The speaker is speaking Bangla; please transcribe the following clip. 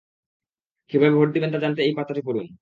কীভাবে ভোট দিবেন তা জানতে এই পাতাটি পড়ুন।